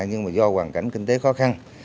nhưng mà do hoàn cảnh kinh tế khó khăn